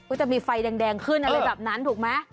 จะมีไฟแดงขึ้นอะไรแบบนั้นถูกไหม